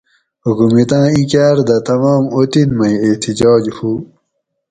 حُکومِت آۤں اِیں کاۤر دہ تمام اُطن مئ احتجاج ہُو